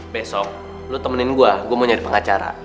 besok lu temenin gue gue mau nyari pengacara